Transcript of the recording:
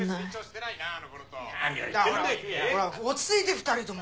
ほら落ち着いて２人とも。